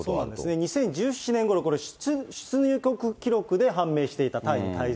２０１７年ごろ、これ、出入国記録で判明していたというタイに滞在。